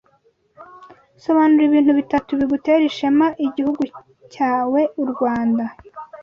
Sobanura ibintu bitatu bigutera ishema igihugu cyawe (u Rwanda)